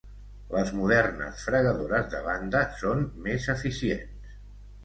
Les modernes fregadores de banda són més eficients.